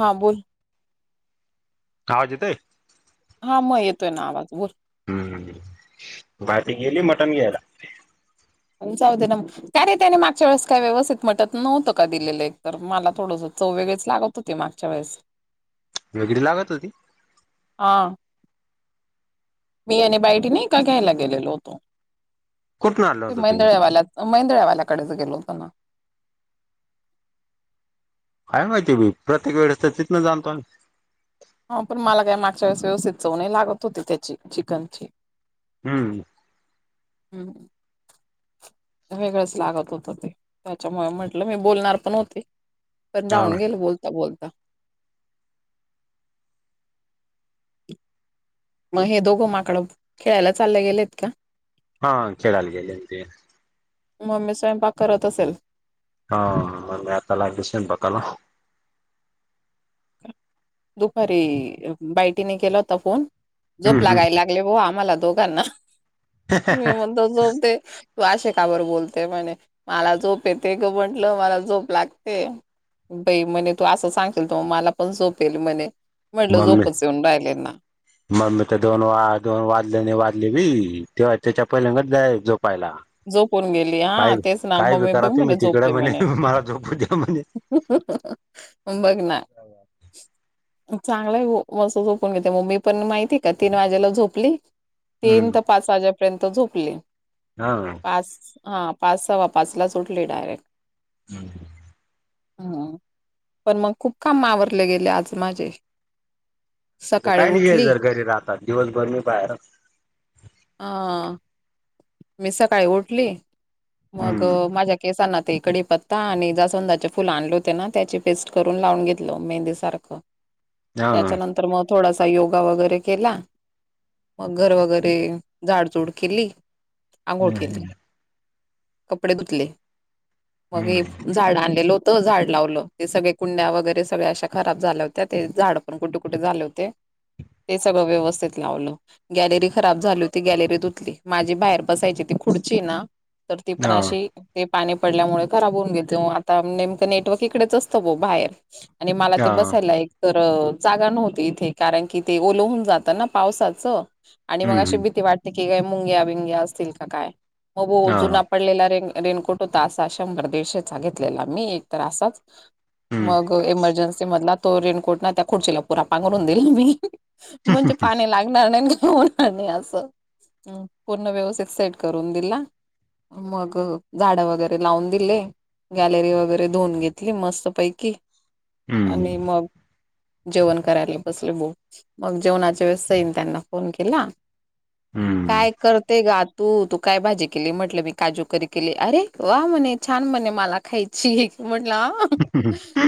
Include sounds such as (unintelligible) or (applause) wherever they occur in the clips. हां बोल. आवाज येतोय. हा मग येतोय ना आवाज बोल. हम्म भारती गेली हम्म. मटण घ्यायला जाऊ दे ना मग काय रे त्याने मागच्या वेळेस काय व्यवस्थित मटण नव्हत का दिलेलं एक तर मला थोडंस चव वेगळेच लागत होती मागच्या वेळेस वेगळी लागत होती हां. मी आणि बायडी नाय का घ्यायला गेलेलो होतो कुठून आणलं ते होतं तुम्ही? मेंदळ्यावाल्या मेंदळ्यावाल्याकडेच गेलो होतो ना काय माहितीय बाई प्रत्येक वेळेस तर तिथंच आणतो ना हा पण मला काय मागच्या वेळेस व्यवस्थित चव नाही लागत होती त्याची चिकनची हम्म. हम्म. वेगळंच लागत होतं ते त्याच्यामुळे म्हटलं मी बोलणार पण होते पण हा राहून गेल बोलता बोलता मग हे दोघं माकडं खेळायला चालले गेलेत का? हा खेळायला गेलेत ते मम्मी स्वयंपाक करत असेल. हा, मम्मी आता लागली स्वयंपाकाला दुपारी बायडीने केला होता फोन झोप हम्म हम्म लागायला लागली ओ आम्हाला दोघांना मी म्हणते झोप दे तू अशी का बर बोलते म्हणे. मला झोप येते ग म्हंटलं मला झोप लागते बाई म्हणे तू असं सांगेल तर म मला पण झोपेल म्हणे म्हटलं मम्मी झोपच येऊन राहिलेना मम्मी तर दोन वा दोन वाजलेने वाजले बी तेव्हा त्याच्या पहिल्यांदाच जाय झोपायला झोपून गेली हा काय तेच ना काय बी मम्मी करा बघ म्हणे तुम्ही तिकडे म्हणे मला झोपू द्या म्हणे मंग बघ ना चांगलय मस्त झोपून घेते म मी पण माहितीय का तीन वाजेला झोपली तीन हम्म ते पाच वाजेपर्यंत झोपली हां पाच हा पाच सवा पाच लाच उठली डायरेक्ट (inaudible) हम्म पण मग खूप काम आवरले गेले आज माझे सकाळी काय नाही आहे उठली जर घरी राहतात दिवसभर मी बाहेर ह मी सकाळी उठली मग हम्म माझ्या केसांना ते इकडे पत् आणि जासधाचे फुल आणले होते ना त्याची पेस्ट करून लावून घेतलं मेहंदीसारखं हा त्याच्यानंतर मग थोडासा योगा वगैरे केला मग घर वगैरे झाडचूड केली आंघोळ हम्म केली कपडे धुतले मग हम्म झाड आणलेलो त झाड लावलं ते सगळे कुंड्या वगैरे सगळ्या अशा खराब झाल्या होत्या ते झाड पण कुठे कुठे झाले होते ते सगळं व्यवस्थित लावलं गॅलरी खराब झाल ती गॅलरीत उतली माझी बाहेर बसायची ती खुडची ना तर ती पण हा अशी ते पाणी पडल्यामुळे खराब होऊन घेत आता नेमकं नेटवर्क इकडेच असतं बो बाहेर आणि मला ते हा बसायला एक तर जागा नव्हती इथे कारण कि ते ओलोहून जातात ना पावसाचं आणि मग अशी हम्म, भीती वाटते की काय मुंग्या बिंग्या असतील का काय मग अजून हां. पडलेला रे रेनकोट होता असा शंभर दीडशेचा घेतलेला मी एक तर असाच हं, मग इमर्जन्सी मधला तो रेनकोट ना त्या खुर्चीला पुरा पांघरून देईल मी म्हणजे पाणी लागणार नाहीि होणार नाही असं पूर्ण व्यवस्थित सेट करून दिला मग झाड वगैरे लावून दिले गॅलरी वगैरे धुऊन घेतली मस्त पैकी आणि हं, मग जेवण करायला बसले बो मग जेवणाच्या वेळेस सईन त्यांना फोन केला हं. काय करते ग तू तू काय भाजी केली म्हटलं मी काजूकरी केली अरे वा म्हणे छान म्हणे मला खायची क म्हटलं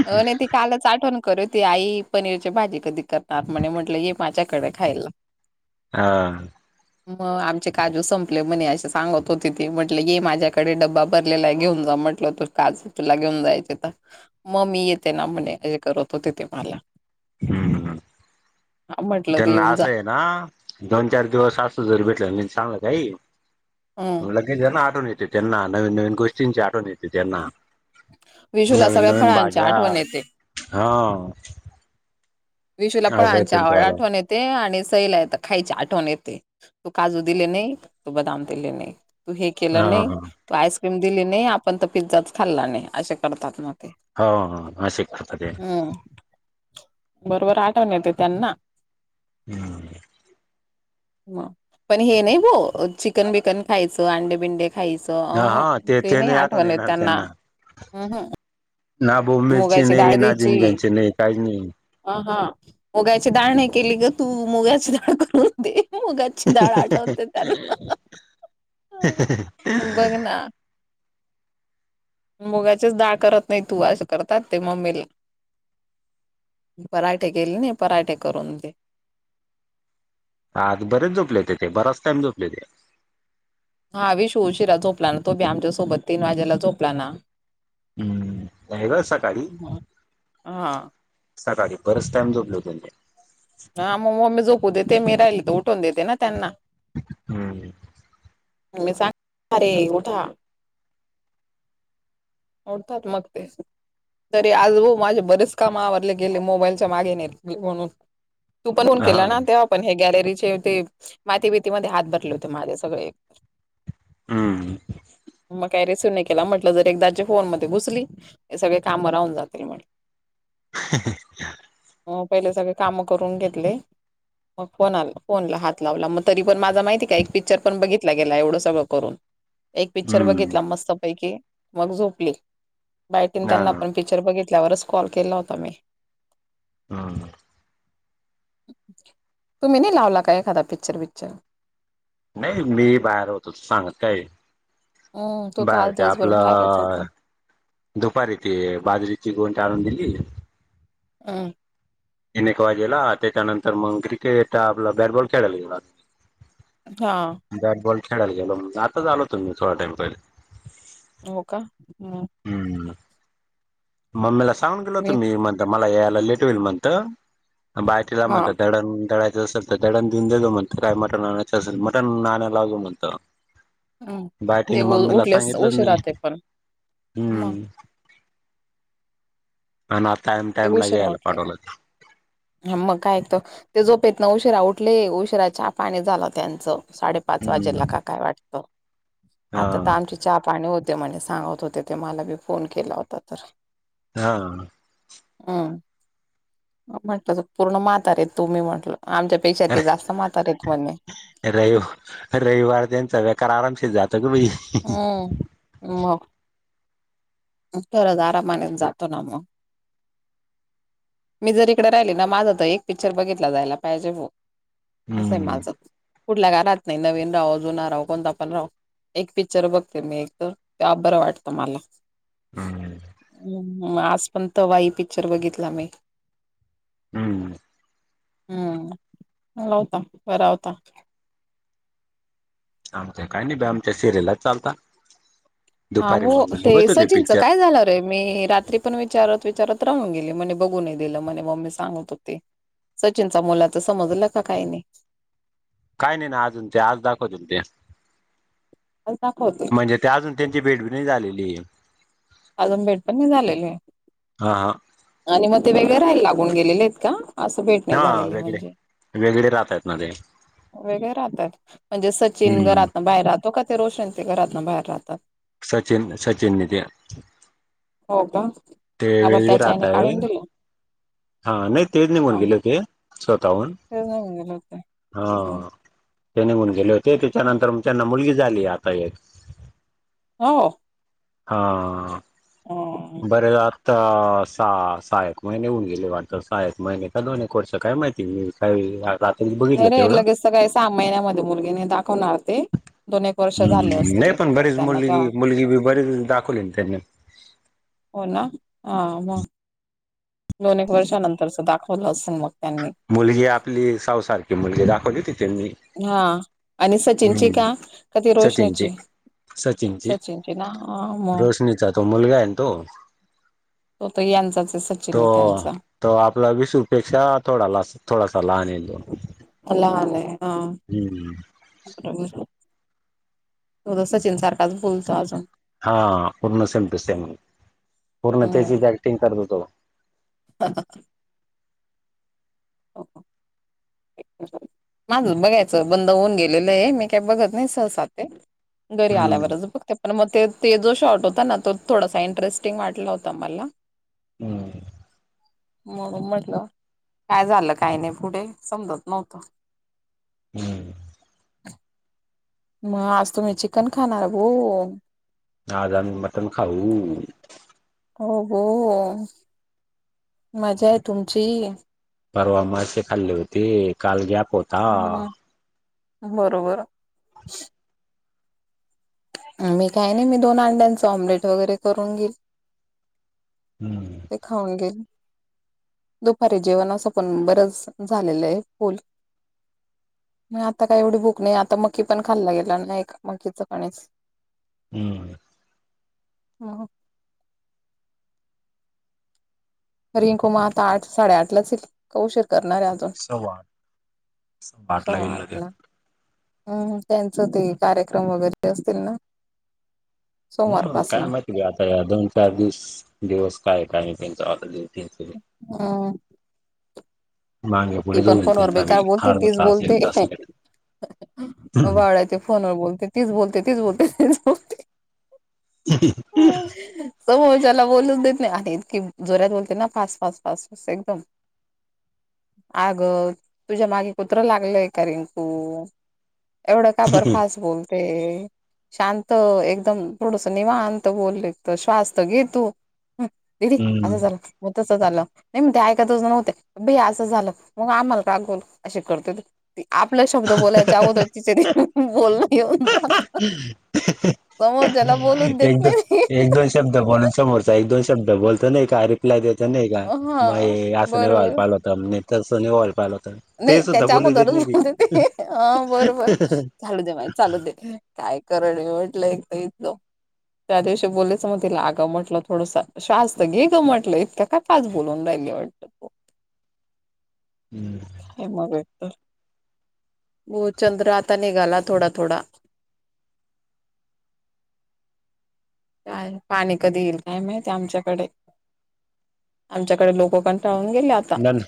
नाही त कालच आठवून खूती आई पनीरची भाजी कधी करणार म्हणे म्हटलं ये माझ्याकडे खायला हा मग आमचे काजू संप आपले म्हणे असे सांगत होते ते म्हटले ग माझ्याकडे ड्बा भरलेला आहे घेऊन जा म्हटलं तो काज तुला घेऊन जायचे तर मग मी येते ना म्हणेे करत होते ते मला हम्म हम म्हटलं त्या तू ना येऊन अस जा आहे ना दोन चार दिवस असं जरी भेटला चांगलं काहीला हम्म आणि जना आठवून येते त्यांना नवीन नवीन गोष्टींची आठवण येते त्यांना विशूला नवीन सगळ्या नवीन फळांची बाज्या आठवण येते हा विशू ला पण आच्या आवड त्यांच्यावालं. आठवण यत ते आणि सैला य तर खायची आठवण येते तू काजू दिले नाही तू बदाम दिले नाही तू हे केलं हां, नाही हां. तू आईस्क्रीम दिली नाही आपण तर पिझ्झाच खाल्ला नाही असे करतात नाग ते होा हा शिक पतते हम्म. बरोबर आठवण येते त्यांना ह म पण हे नाही हो चिकन बिकन खायचं अंडे बिंडे खायचं ते नाही आठवण त्यांना् ना बोबलची नाही ना द्यायची झिंग्यांची नाही काही नाही ह हा मुगाचे दाणे केली ग तू मुगाचे द करून दे मुगा ळ आठवते त्यांना बघ ना मुगाचेच डाळ करत नाही तू असं करतात ते मग् ममीला पराठे केले नाही पराठे करून ते हाता बरेच झोपले होते ते बराच टाम जोपले ते हा वि श उशिरा झोपला ना तो बी आमच्यासोबत तीन वाजेला झोपला ना हम्म हे ग सकाळी ह हा सकाळी बरंच टाइम जोपलो ते हा मग म्मी झोपू देते मी राहिली तर उठून देते ना त्यांना हम्म म सां ख रे गठा हर्थत्मकते तरी आज भा माझे बरेच काम आवरडले गेले मोबाईलच्या मागेने म्हणून तू पण होऊन हा केला ना तेव्हा पण हे गॅलरीचे ते माती भीतीमध्ये हात भरले होते माझे सगळे हम्म मग काही रिसिव्ह नाही केला म्हटलं जर एकदाच्या फोन मध्ये घुसली हे सगळे कामं राहून जातील म्हण (inaudible) हो पहिले सगळे काम करून घेतले फोला फोन ला हात लावला मग तरी पण माझ माहिती का एक पिकच्चर पण बघित गेला एवढं सगळं करून एक पिक्चर हम्म बघितला मस्त पैकी मग झोपली बायटीन हा त्यांना आपण पिक्चर बघितल्यावरच कॉल केला होता मी हम तुम्ही नाही लावला काय एखादा पिकच्चर बिकच्चर नाही मी बाहेर होतो सांगत काय हम्म तो तर बाहेर आज ते दिवसभर बाहेरच होता आपलं दुपारी ते बाजरीची गों टा आणून दिली हम एनेक वाजेला त्याच्यानंतर मग क्रिकेट आपला बॅटबॉल खेळाला गेला हा बॅटॉ खेळायला गेलोग आल तुम् थोडाइम पहिले होका ह हम्म मम्मीला सांगून गेलो होतो मी म्हणता मला यायला लेट होईल म्हणत बाहेटला हा मत डण ळायचंसं डां देऊन दे गं म्हणत काय मटन आणायचं असेल मटन आणायला लागं म्हणत हम्म ते बाटीने उ- मम्मीला उठलेच सांगितलंच नाही उशिरा ते पण मग हम्म आणि टाइम ते टाईम उशिरा लागेयला उठले ना पाठवला मग कायत ते जोपेत ना उशिरा उठले उशिराच्या पाने झाला त्यांचं साडे पाच हम्म वाजेला का काय वाटतं आता तर हा आमची चहा पाणी होते म्हणे सांगत होते ते मला मी फोन केला होता तर हा हम् म्हटलं त पूर्ण म्हातारे तुम्ही म्हटल आमच्या पेक्षा ते जास्त मातार येत म्हण रवि रविवार त्यांचा व्याकार आरामसे जातो ग बै हम्म् खरच आरामाने जातो ना मग मी जर इकडे राहिली ना माझं तर एक पिक्चर बघितला जायला पाहिजे हो असंय हम्म माझं कुठल्या ग राहात नाही नवीन राहो जुना राहो कोणता पण राहो एक पिक्चर बघते मी एक तर बरं वाटतं मला हम्म हम् आज पण त वाई पिक्चर बघितला मी हम्म हम्म मवता वर आवता आमच्या काय नाही बा आमच्या सिरियलच चालत हा हो ते सचिनचं काय झालं अरे मी रात्री पण विचारत विचारत राहून गेली म्हणे बघू नाही दिलं म्हणे मग मी सांगत होते सचिनचा मुला तर समजलं का काही नाही काही नाही नाही अजून ते आज दाखवजून ते दाखवते म्हणजे ते अजून त्यांची भेट बी नाही झालेली. अजुन भेटपण नाही झालेली, हा हा आणि मग ते वेगळे राहायला लागून गेलेले आहेत का? असं भेट नाही झालेली म्हणजे त्यातमध्ये - - वेगळे राहतात म्हणजे सचिन हम्म घरात न बाहेरात- - तो का ते रोशन ते घरात न बाहेर राहतात? सचिन सचिन निध हो का काबर वेगळे त्याच्या राहत आईने आहे काढून दिलं. हा नाही तेच निघून हा गेले ते स्वतःहून. ते सांगून गेले हा. होते ते निघून गेले होते त्याच्यानंतर त्यांना मुलगी झाली आता एक. हो. हा. अं, बरं झा - - तर सहा सहा एक महिने होऊन गेले वाटत. सहा एक महिने का दोन एक वर्ष काय माहिती. काय (unintelligible) नाही रे लगेच तर काय सा महिन्यामध्ये मुलगी नाही दाखवणार ते. दोन एक वर्ष झाले हम्म असतील नाही एक पण तरर बरीच त्यांना मुलगी तेव्हा. मुलगी बी बरीच दाखवली ना त्यांनी हो ना? हं मगं. दोन एक वर्षानंतरच दाखवलं असेल मग त्यांनी. मुलगी आपली सावुसारखी मुलगी दाखवली होती त्यांनी. हा आणि सचिनची हम्म का, का ती सचिनची रोशनीची? सचिनची. ना हां, मग रोशनीचा तो मुलगा आहे ना तो. हो यांचाच हाय स तो त आपला वीसुपेक्षा थोडा ला थोडासा लहान ये तो. लहानए हं. हम्म. (unintelligible) थोडं सचिन सारखाच बोलतो अजून. हा पूर्ण सेम टू सेम. पूर्ण हम्म त्याचीच ऍक्टिंग करतो तो. (unintelligible) माझ बघायचं बंद होऊन गेलेलंए. मी काय बघत नाही सहसाते. घरी हम्म आल्यावरच बघते. पण मग ते ते जो शॉर्ट होता ना तो थोडासा इंटरेस्टिंग वाटला होता मला. हम्म. म्हणुन म्हंटल काय झालं काय नाही पुढे समजत नव्हत. हम्. मग आज तुम्ही चिकन खाणार (unintelligible) आज आम्ही मटन खाऊ. हो. हो. मजायं तुमची. परवा मासे खाल्ले होते. काल गॅप हो हम्. बरोबर. मी काही नाही मी दोन अंड्यांचं ऑम्लेट वगैरे करून घेईल - - ते खाऊन घेईल. दुपारी जेवणाच पण बरंच झालेलं हाए फूल. म आता काही एवढी भूक नाही. आता मकी पण खाल्ला गेला नाही का. मकीच कणीस. हम्. ह. हरिंकुमार आठ साडेआठलाच येईल. तो उशीर करणारए आज. सवट स वाट लागललं दे हम् त्यांचं ते कार्यक्रम वगैरे असतील ना हम् सोमवारपासन काय माहिती गे आता या दोन चार दिवस दिवस काय काय नाही त्यांचा आता दि हा मागे ती पुढे पण जाऊन फोनवर त्यांना बेकार बी बोलते अर्धा तीच तास एक बोलते तास लेट वाडायचे फोनवर बोलते तीच बोलते तीच बोलते तीच बोलते ह ह समो ज्याला बोलूनच देत नाही आणि इतकी जोऱ्यात बोलते ना फास् फट फस्ट ब एकदम आग तुझ्या मागे कुत्रं लागलंय का रिंकू एवढं का बरफास् बोल ते शांत एकदम थोडस निवां बोलले श्वास तर घे तू दिदी हम्म असं झालं म तस झालं नाही म ते ऐकात ज नव्हते भया असं झालं मग आम्हाला का गोल असे करते त त आपला शब्द बोलायच्या अगोदर तिचेरी बोलण येऊन जा हम् समोरच्या्याला बोलून देत नाही ती. एक दोन शब्द बोलून समोरचा एक दोन शब्द बोलतो नार ला देत नाही का म हा असं नाही वा बरोबर पाहिल होतता म्ह तस नाही वाल पाल होतता नाही त्याच्या अगोदरच बोलतेेत हा बरोबर चालू दे मा चालू दे काय करण म्हटलं एक इच त्या दिवशी बोलीयचं मग तिलागं म्हटलं थोडस शस्त घे ग म्हटलं इतक्या काय पाच बोलवून राहिली वाटत तू हम्म हे मग म चंद्र आता निघाला थोडा थोडा पाणी कधी येईल काय माहिती आमच्याकडे आमच्याकडे लोकंाळून गेलेत न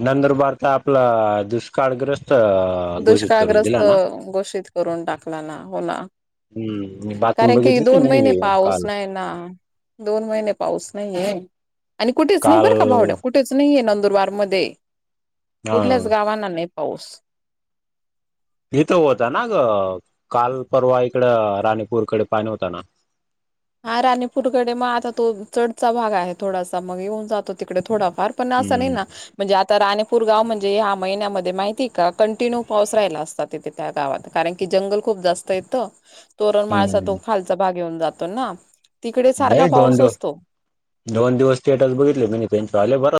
नंतर भारता आपलं दुष्काळग्रस्त घोषित करून दुष्काळग्रस्त दिला ना घोषित करून टाकला ना होला हम्म मी बातमी कारण की बघितली ती दोन मी महिने बी पाऊस काल नाही ना दोन महिने पाऊस नाहीये आणि कुठेच नाही काल बरं का बावड्या कुठ कठेच नाहीे नंदुरबार मध्ये हा कुठल्याच गावांना नाही पाऊस इिथं होता ना ग काल परवा इकड राणीपूरकडे पाणी होता ना हा राणीपूरकडे मग आता तो चडचा भाग आहे थोडासा मग येऊन जातो तिकडे थोडाफार पण अस नाही हम्म ना म्हणजे आता राणेपूर गाव म्हणजे ह्या महिन्यामध्ये माहिती का कंटिन्यू पाऊस राहिला असतात त्या गावात कारण की जंगल खूप जास्त य तोरण माळसा हम्म तो खालचा भाग येऊन जातो ना तिकडे सारखा नाही दोन पाऊस दिव असतो दोन दिवस थटस बघितले मी त्यांच आले बरो